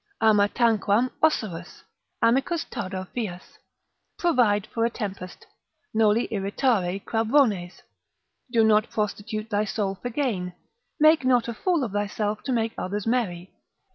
Ama tanquam osurus. Amicus tardo fias. Provide for a tempest. Noli irritare crabrones. Do not prostitute thy soul for gain. Make not a fool of thyself to make others merry.